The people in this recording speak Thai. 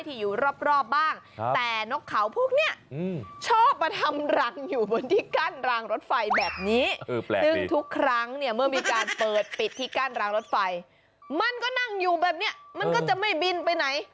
ที่การล้างรถไฟมันก็นั่งอยู่แบบเนี้ยมันก็จะไม่บินไปไหน